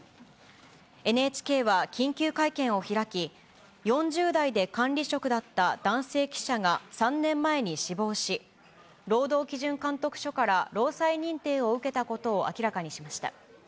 ＮＨＫは緊急会見を開き、４０代で管理職だった男性記者が３年前に死亡し、労働基準監督署から労災認定を受けたことを明らかにしました。